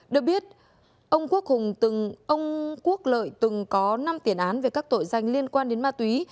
được biết ông quốc lợi từng có năm tiền án về các tội danh liên quan đến ma túy